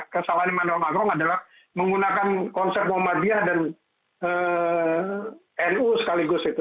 kesalahan immanuel maghrong adalah menggunakan konsep muhammadiyah dan nu sekaligus itu